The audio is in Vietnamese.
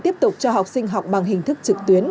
tiếp tục cho học sinh học bằng hình thức trực tuyến